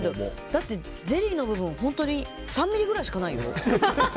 だってゼリーの部分３ｍｍぐらいしかないよ。